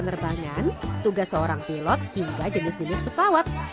penerbangan tugas seorang pilot hingga jenis jenis pesawat